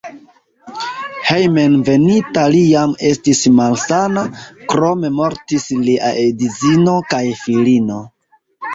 Hejmenveninta li jam estis malsana, krome mortis lia edzino kaj filino.